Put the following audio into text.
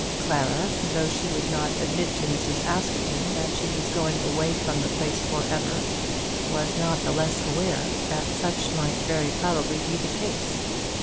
Clara, though she would not admit to Mrs. Askerton that she was going away from the place for ever, was not the less aware that such might very probably be the case.